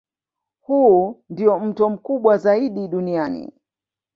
Huu ndio mto mkubwa zaidi duniani